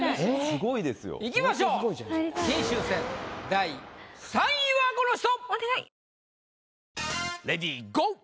・すごいですよ・いきましょう金秋戦第３位はこの人！